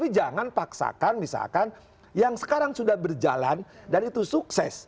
jangan paksakan misalkan yang sekarang sudah berjalan dan itu sukses